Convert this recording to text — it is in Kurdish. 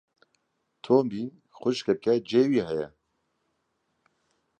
Tomî xwişkeke cêwî heye.